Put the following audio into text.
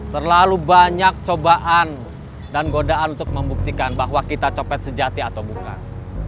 terlalu banyak cobaan dan godaan untuk membuktikan bahwa kita copet sejati atau bukan